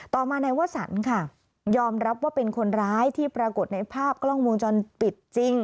ต่อมานายวสันค่ะยอมรับว่าเป็นคนร้ายที่ปรากฏในภาพกล้องวงจรปิดจริง